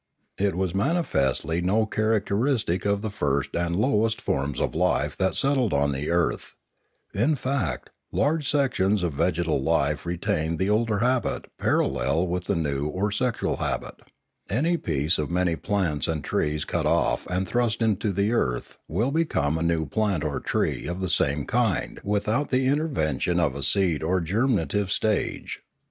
It was manifestly no char acteristic of the first and lowliest forms of life that settled on the earth; in fact large sections of vegetal life retain the older habit parallel with the new or sexual habit; any piece of many plants and trees cut off and thrust into the earth will become a new plant or tree of the same kind without the intervention of a seed or germ i native stage.